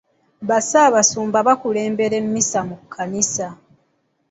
Bassaabasumba bakulembera emmisa mu kkanisa.